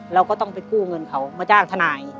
เราก็ต้องไปกู้เงินเขามาจ้างทนาย